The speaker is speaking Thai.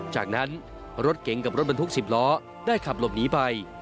จากนั้นรถเก๋งกับรถบรรทุก๑๐ล้อได้ขับหลบหนีไป